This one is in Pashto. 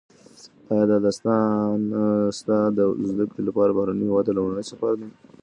ایا دا ستا د زده کړو لپاره بهرني هیواد ته لومړنی سفر دی؟